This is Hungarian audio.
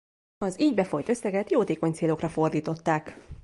Az így befolyt összeget jótékony célokra fordították.